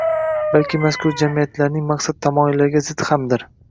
balki mazkur jamiyatlarning maqsad-tamoyillariga zid hamdir.